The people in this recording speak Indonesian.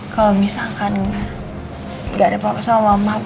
kalau misalkan gak ada papa sama mama